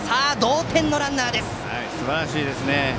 すばらしいですね！